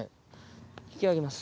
引き上げます。